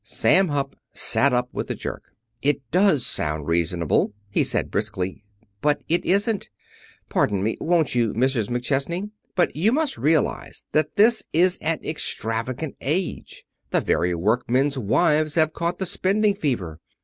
Sam Hupp sat up with a jerk. "It does sound reasonable," he said briskly. "But it isn't. Pardon me, won't you, Mrs. McChesney? But you must realize that this is an extravagant age. The very workingmen's wives have caught the spending fever.